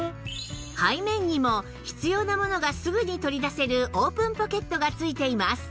背面にも必要なものがすぐに取り出せるオープンポケットが付いています